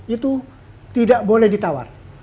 itu tidak boleh ditawar